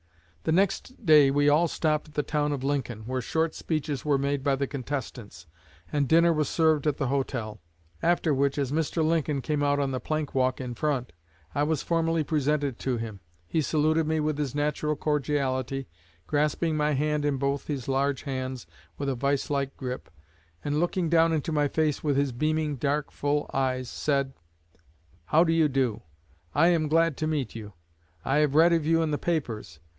The next day we all stopped at the town of Lincoln, where short speeches were made by the contestants, and dinner was served at the hotel; after which, as Mr. Lincoln came out on the plank walk in front, I was formally presented to him. He saluted me with his natural cordiality, grasping my hand in both his large hands with a vice like grip, and looking down into my face with his beaming, dark, full eyes, said: 'How do you do? I am glad to meet you. I have read of you in the papers.